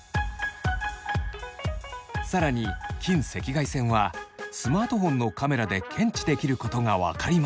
更に近赤外線はスマートフォンのカメラで検知できることが分かりました。